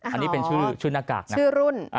อันนี้เป็นชื่อหน้ากากนะ